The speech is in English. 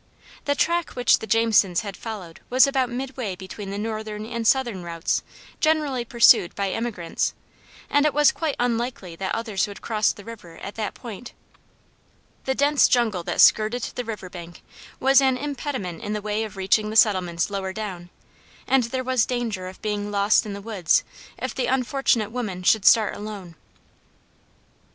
The track which the Jamesons had followed was about midway between the northern and southern routes generally pursued by emigrants, and it was quite unlikely that others would cross the river at that point. The dense jungle that skirted the river bank was an impediment in the way of reaching the settlements lower down, and there was danger of being lost in the woods if the unfortunate woman should start alone.